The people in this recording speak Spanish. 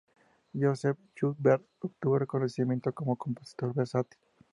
Joseph Schubert obtuvo reconocimiento como compositor versátil.